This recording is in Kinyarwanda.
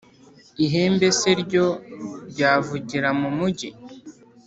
Ihembe se ryo, ryavugira mu mugi,